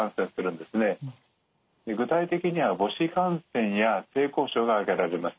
具体的には母子感染や性交渉が挙げられます。